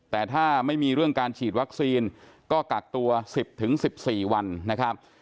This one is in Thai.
แต่ถ้าไม่มีเรื่องการฉีดวัคซีนก็กักตัว๑๐๑๔วันนะครับ